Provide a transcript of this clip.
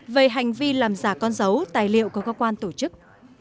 về hành vi làm giả con dấu tài liệu của cơ quan tổ chức